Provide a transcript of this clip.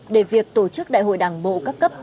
để việc tổ chức những isso nông công